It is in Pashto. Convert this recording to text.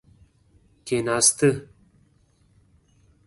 کیناسته.